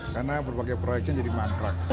karena berbagai proyeknya jadi mantrak